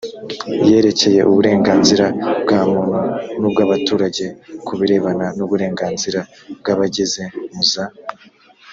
yerekeye uburenganzira bwa muntu n ubw abaturage ku birebana n uburenganzira bw abageze mu za